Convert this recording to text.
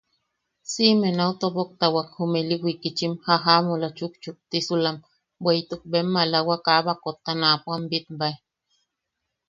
Siʼime nau toboktawak jume ili wikitchim jajamola chukchuktisulam, bweʼituk bem malawa kaa baakotta naapo am bitbae.